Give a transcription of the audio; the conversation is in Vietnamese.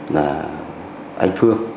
là anh phương